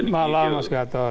malam mas gatot